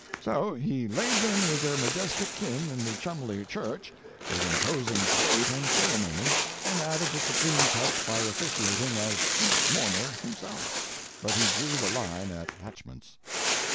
So he laid them with their majestic kin in the Cholmondeley church, with imposing state and ceremony, and added the supreme touch by officiating as chief mourner himself. But he drew the line at hatchments.